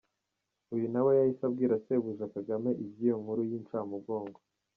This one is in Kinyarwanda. Uyu nawe yahise abwira sebuja Kagame iby’iyo nkuru y’inshamugongo.